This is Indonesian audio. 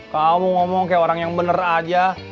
kamu ngomong kayak orang yang bener aja